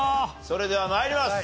それでは参ります。